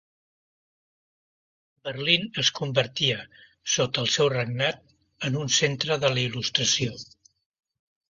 Berlín es convertia, sota el seu regnat, en un centre de la Il·lustració.